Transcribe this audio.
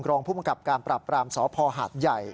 รองผู้มังกับการปรับปรามสพหาดใหญ่